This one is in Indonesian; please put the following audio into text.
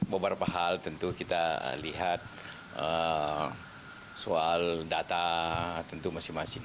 beberapa hal tentu kita lihat soal data tentu masing masing